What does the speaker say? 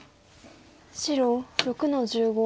白６の十五。